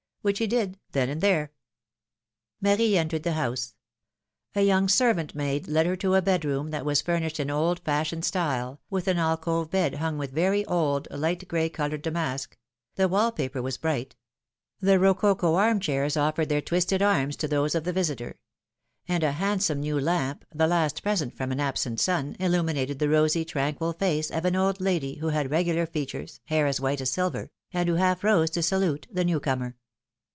Which he did then and there. Marie entered the house. A young servant maid led her to a bed roorn, that was furnished in old fashioned style, with an alcove bed hung with very old, light gray colored damask ; the wall paper was bright ; the rococo arm chairs offered their twisted arms to those of the visitor; and a handsome new lamp, the last present from an absent son, illuminated the rosy, tranquil face of an old 270 PHILOMi:NE's MARRIAGES. lady, who had regular features, hair as white as silver, and who half rose to salute the new comer.